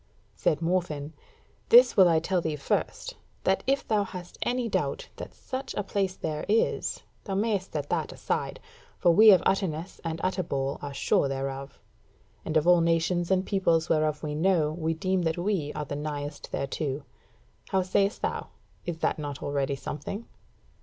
Said Morfinn: "This will I tell thee first: that if thou hast any doubt that such a place there is, thou mayst set that aside; for we of Utterness and Utterbol are sure thereof; and of all nations and peoples whereof we know, we deem that we are the nighest thereto. How sayest thou, is that not already something?"